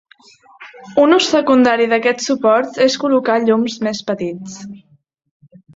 Un ús secundari d'aquests suports és col·locar llums més petits.